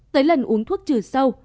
tới lần uống thuốc trừ sâu